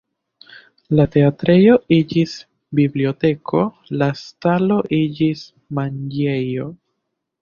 La teatrejo iĝis biblioteko, la stalo iĝis manĝejo.